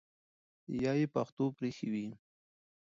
یا ئی پښتو پرېښې وي